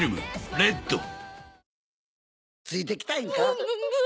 「ついてきたいんか？」